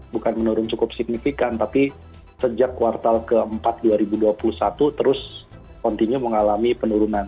bukan menurun cukup signifikan tapi sejak kuartal keempat dua ribu dua puluh satu terus continue mengalami penurunan